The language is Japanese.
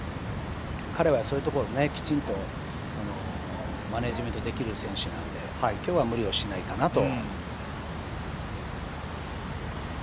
彼はそういうところ、きちんとマネージメントできる選手なので今日は無理をしないかなと。